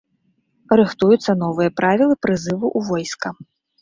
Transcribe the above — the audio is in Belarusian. Рыхтуюцца новыя правілы прызыву ў войска.